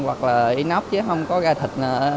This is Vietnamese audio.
hoặc là inox chứ không có gà thịt